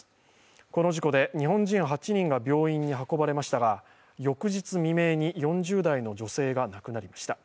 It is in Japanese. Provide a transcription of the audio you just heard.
この事故で日本人８人が病院に運ばれましたが翌日未明に、４０代の女性が亡くなりました。